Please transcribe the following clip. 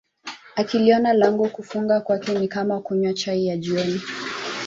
akiliona lango kufunga kwake ni kama kunywa chai ya jioni